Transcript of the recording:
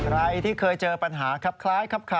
ใครที่เคยเจอปัญหาคล้ายค่ะ